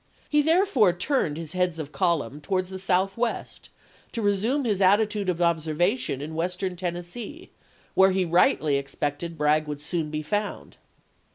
He therefore turned his heads of column towards the Southwest to resume his attitude of observation in Western Tennessee, where he rightly expected Bragg would soon be found.